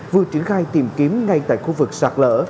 vừa triển khai tìm kiếm ngay tại khu vực sạc lỡ